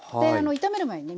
炒める前にね